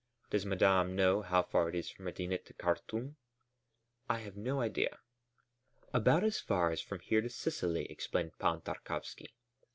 Does Madame know how far it is from Medinet to Khartûm?" "I have no idea." "About as far as from here to Sicily," explained Pan Tarkowski.